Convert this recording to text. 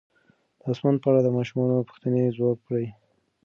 د اسمان په اړه د ماشومانو پوښتنې ځواب کړئ.